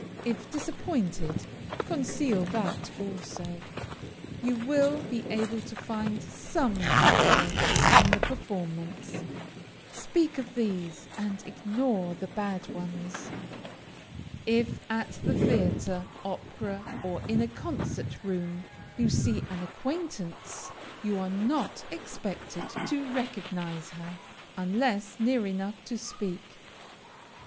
If disappointed, conceal that also. You will be able to find some good points in the performance; speak of these and ignore the bad ones. If at the theatre, opera, or in a concert room, you see an acquaintance, you are not expected to recognize her, unless near enough to speak.